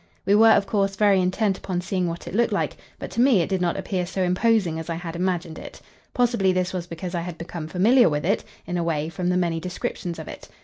We were, of course, very intent upon seeing what it looked like, but to me it did not appear so imposing as I had imagined it. Possibly this was because I had become familiar with it, in a way, from the many descriptions of it.